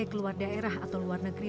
keluar daerah atau luar negeri